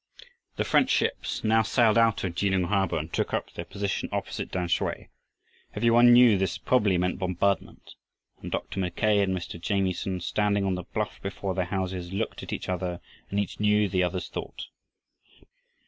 The French ships now sailed out of Kelung harbor and took up their position opposite Tamsui. Every one knew this probably meant bombardment, and Dr. Mackay and Mr. Jamieson, standing on the bluff before their houses, looked at each other and each knew the other's thought.